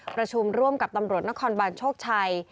ประชุมร่วมกับตำรวจนครบานโชคชัย